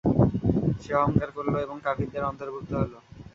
সে অহংকার করল এবং কাফিরদের অন্তর্ভুক্ত হলো।